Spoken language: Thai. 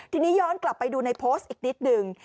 ทีนี้ย้อนกลับไปดูในโพสต์อีกนิดหนึ่ง